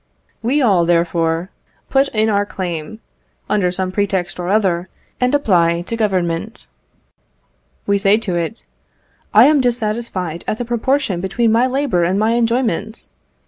We all, therefore, put in our claim, under some pretext or other, and apply to Government. We say to it, "I am dissatisfied at the proportion between my labour and my enjoyments.